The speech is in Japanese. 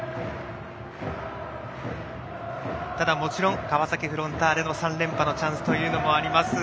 ただ、もちろん川崎フロンターレの３連覇のチャンスというのもあります。